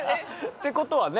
ってことはね。